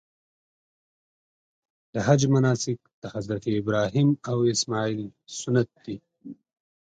د حج مناسک د حضرت ابراهیم او اسماعیل سنت دي.